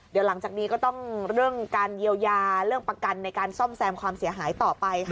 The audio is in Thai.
เดี๋ยวหลังจากนี้ก็ต้องเรื่องการเยียวยาเรื่องประกันในการซ่อมแซมความเสียหายต่อไปค่ะ